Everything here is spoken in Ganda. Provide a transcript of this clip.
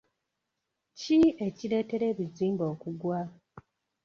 Ki ekireetera ebizimbe okugwa?